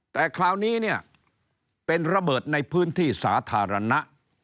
แต่คราวนี้เนี่ยเป็นระเบิดในพื้นที่สาธารณะ